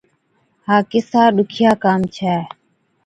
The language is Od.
ها ڪِسا ڏُکِيا ڪام ڇَي۔